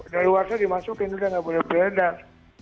dari luar sana dimasukin itu udah nggak boleh beredar